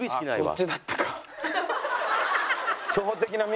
そっちだったか。